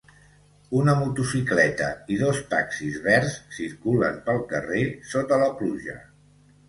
Una motocicleta i dos taxis verds circulen pel carrer sota la pluja.